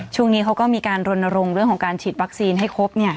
ช่วงนี้เขาก็มีการรณรงค์เรื่องของการฉีดวัคซีนให้ครบ